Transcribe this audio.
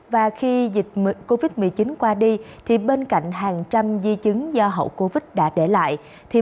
và khi dịch covid một mươi chín qua đi bên cạnh hàng trăm di chứng do hậu covid đã để lại